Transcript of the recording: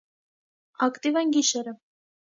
Ակտիվ են գիշերը։